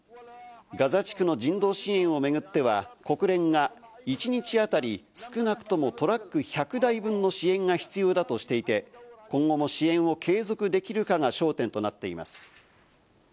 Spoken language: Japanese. ガザ地区の人道支援を巡っては、国連が一日あたり、少なくともトラック１００台分の支援が必要だとしていて、今後も支援を継続できるかが焦点となっています。